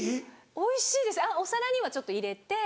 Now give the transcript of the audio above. おいしいですお皿にはちょっと入れて。